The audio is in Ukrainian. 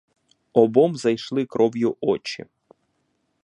Обом зайшли кров'ю очі.